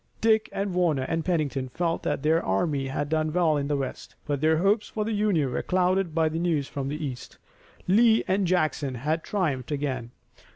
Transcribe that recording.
Dick and Warner and Pennington felt that their army had done well in the west, but their hopes for the Union were clouded by the news from the east. Lee and Jackson had triumphed again.